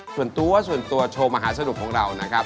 ส่วนตัวส่วนตัวโชว์มหาสนุกของเรานะครับ